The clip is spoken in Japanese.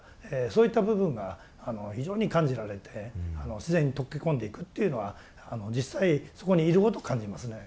そういった部分が非常に感じられて自然に溶け込んでいくっていうのは実際そこにいることを感じますね。